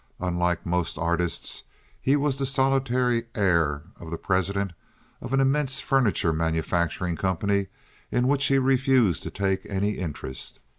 Unlike most artists, he was the solitary heir of the president of an immense furniture manufacturing company in which he refused to take any interest.